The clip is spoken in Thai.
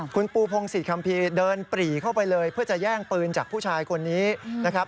คุณปูพงศิษยคัมภีร์เดินปรีเข้าไปเลยเพื่อจะแย่งปืนจากผู้ชายคนนี้นะครับ